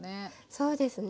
そうですね。